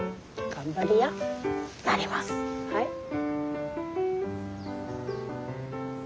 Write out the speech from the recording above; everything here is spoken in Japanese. はい。